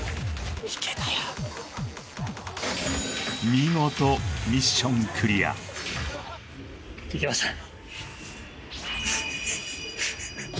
見事ミッションクリアいけましたね